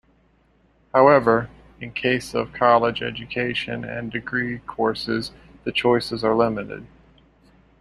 However, in case of college education and degree courses the choices are limited.